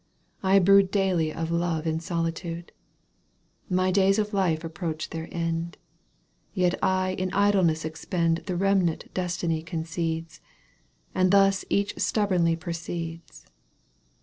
I brood '1 Daily of love in solitude. My days of life approach their end. Yet I in idleness expend The remnant destiny concedes. And thus each stubbornly proceeds.